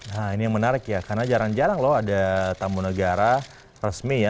nah ini yang menarik ya karena jarang jarang loh ada tamu negara resmi ya